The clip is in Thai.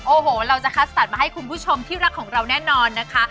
โอ้โหเราจะคัดสรรมาให้คุณผู้ชมที่รักของเราแน่นอนนะคะ